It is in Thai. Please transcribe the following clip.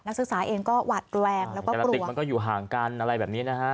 นักศึกษาเองก็หวัดแรงแล้วก็ปกติมันก็อยู่ห่างกันอะไรแบบนี้นะฮะ